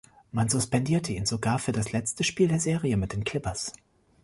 Man suspendierte ihn sogar für das letzte Spiel der Serie mit den Clippers.